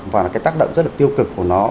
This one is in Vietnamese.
và là cái tác động rất là tiêu cực của nó